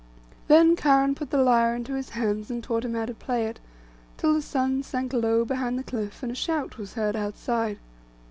Then Cheiron put the lyre into his hands, and taught him how to play it, till the sun sank low behind the cliff, and a shout was heard outside.